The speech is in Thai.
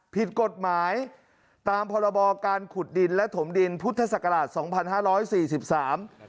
ผิดกฎหมายตามพรบการขุดดินและถมดินพุทธศักราชสองพันห้าร้อยสี่สิบสาม